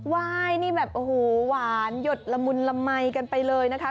ไหว้นี่แบบโอ้โหหวานหยดละมุนละมัยกันไปเลยนะคะ